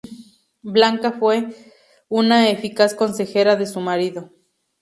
Blanca fue una eficaz consejera de su marido.